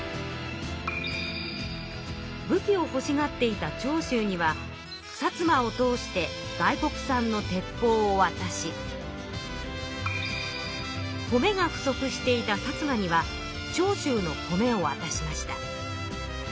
武器をほしがっていた長州には薩摩を通して外国産の鉄ぽうをわたし米が不足していた薩摩には長州の米をわたしました。